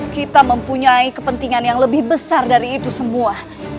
kita mempunyai kepentingan yang lebih besar dari itu semua